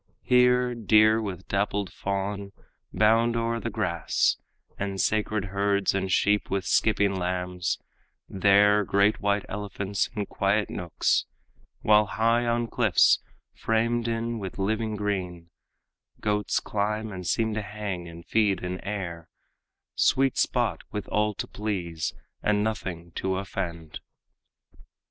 Here, deer with dappled fawn bound o'er the grass, And sacred herds, and sheep with skipping lambs; There, great white elephants in quiet nooks; While high on cliffs framed in with living green Goats climb and seem to hang and feed in air Sweet spot, with all to please and nothing to offend.